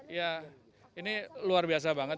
ya ini luar biasa banget